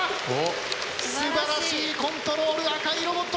すばらしいコントロール赤いロボット